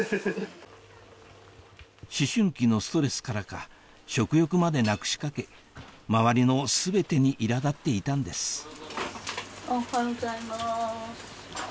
思春期のストレスからか食欲までなくしかけ周りの全てにいら立っていたんですおはようございます。